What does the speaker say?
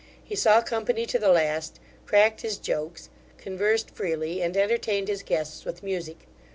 He saw company to the last, cracked his jokes, conversed freely, and entertained his guests with music.